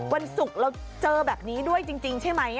วันศุกร์เราเจอแบบนี้ด้วยจริงใช่ไหม